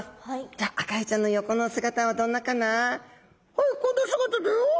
「はいこんな姿だよ」。